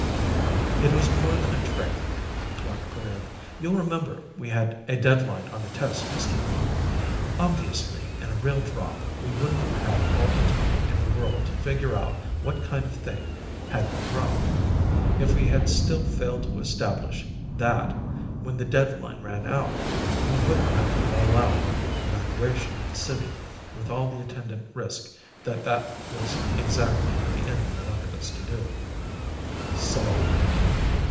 "It was more than a trick," Clark put in. "You'll remember we had a deadline on the test, Mr. Braun. Obviously, in a real drop we wouldn't have all the time in the world to figure out what kind of a thing had been dropped. If we had still failed to establish that when the deadline ran out, we would have had to allow evacuation of the city, with all the attendant risk that that was exactly what the enemy wanted us to do." "So?"